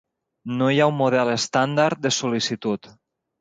No hi ha un model estàndard de sol·licitud.